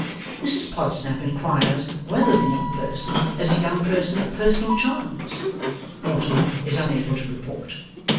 Mrs Podsnap inquires whether the young person is a young person of personal charms? Mortimer is unable to report.